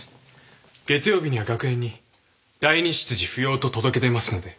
月曜日には学園に第２執事不要と届け出ますので。